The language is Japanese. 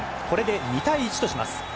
これで２対１とします。